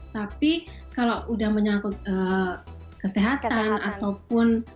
tapi kalau udah menyangkut kesehatan ataupun